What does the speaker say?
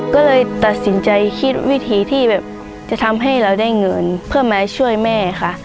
ก็เลยตัดสินใจคิดวิธีที่แบบจะทำให้เราได้เงินเพื่อมาช่วยแม่ค่ะ